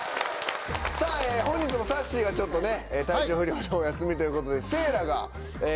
本日もさっしーがちょっとね体調不良でお休みということで。